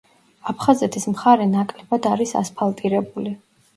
აფხაზეთის მხარე ნაკლებად არის ასფალტირებული.